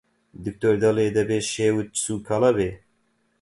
دکتۆر دەڵێ دەبێ شێوت سووکەڵە بێ!